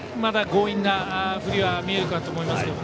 強引な振りは見えるかと思いますけど。